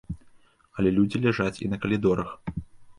Але людзі ляжаць і на калідорах.